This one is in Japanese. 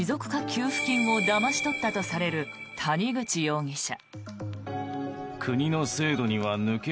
給付金をだまし取ったとされる谷口容疑者。